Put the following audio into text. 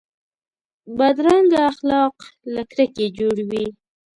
بدرنګه اخلاق له کرکې جوړ وي